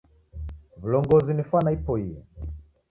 Wulongozi ni fwana ipoiye.